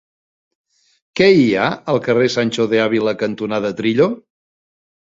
Què hi ha al carrer Sancho de Ávila cantonada Trillo?